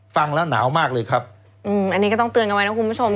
ฟังแล้วหนาวมากเลยครับอืมอันนี้ก็ต้องเตือนกันไว้นะคุณผู้ชม